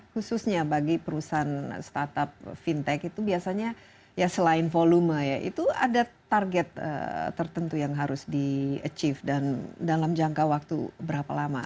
khususnya bagi perusahaan startup fintech itu biasanya ya selain volume ya itu ada target tertentu yang harus di achieve dan dalam jangka waktu berapa lama